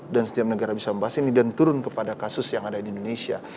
dan setiap negara bisa membahas ini dan turun kepada kasus yang ada di indonesia